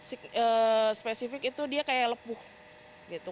spesifik itu dia kayak lepuh gitu